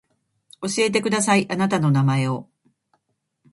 教えてくださいあなたの名前を